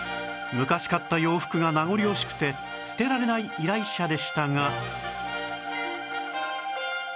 昔買った洋服が名残惜しくて捨てられない依頼者でしたが